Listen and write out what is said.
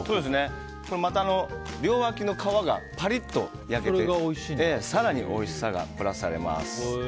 両脇の皮がパリッと焼けて更においしさがプラスされます。